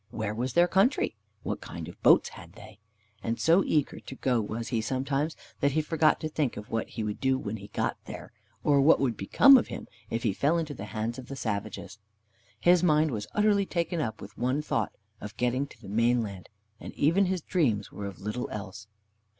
Where was their country? What kind of boats had they? And so eager to go was he sometimes, that he forgot to think of what he would do when he got there, or what would become of him if he fell into the hands of the savages. His mind was utterly taken up with the one thought of getting to the mainland, and even his dreams were of little else.